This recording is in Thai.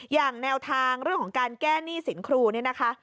แนวทางเรื่องของการแก้หนี้สินครูเนี่ยนะคะ